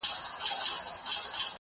کله کله ځان ترې ورک سي چي غلام دی !.